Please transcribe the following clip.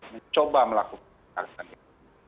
mencoba melakukan pembatasan itu